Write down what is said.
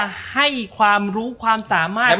ให้ความรู้ความสามารถ